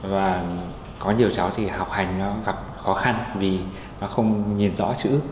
và có nhiều cháu thì học hành nó gặp khó khăn vì nó không nhìn rõ chữ